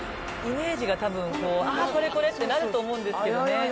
イメージがたぶん「ああこれこれ」ってなると思うんですけどね